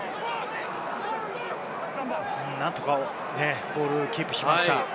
何とかね、ボールをキープしました。